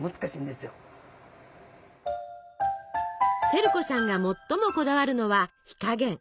照子さんが最もこだわるのは火加減。